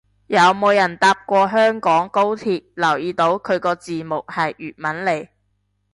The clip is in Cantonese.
有冇人搭過香港高鐵留意到佢個字幕係粵文嚟